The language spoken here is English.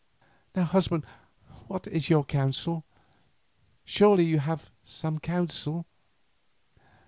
Now, husband, what is your counsel? Surely you have some counsel."